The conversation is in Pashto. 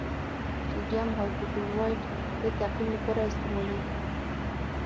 سوډیم هایپوکلورایټ د تعقیم لپاره استعمالیږي.